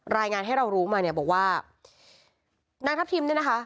รายงานให้เรารู้มาเนี่ยบอกว่านางทัพทิมเนี่ยนะคะ